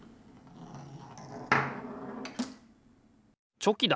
チョキだ！